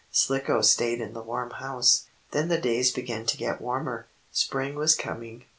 Slicko stayed in the warm house. Then the days began to get warmer. Spring was coming.